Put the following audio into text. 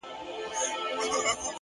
وخت د بې ځایه ځنډ مخالف دی!